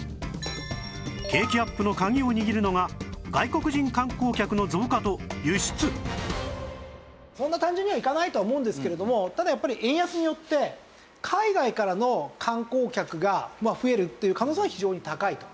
景気アップのそんな単純にはいかないとは思うんですけれどもただやっぱり円安によって海外からの観光客が増えるっていう可能性は非常に高いと。